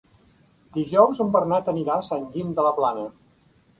Dijous en Bernat anirà a Sant Guim de la Plana.